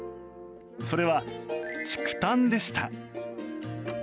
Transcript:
それは、竹炭でした。